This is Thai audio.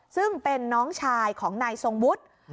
ซึ่งเป็นน้องชายของนายทรงวุฒิ